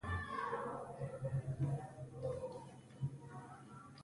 د زده کړې په ډګر کې ځانګړي فعالیتونه ترسره کیږي.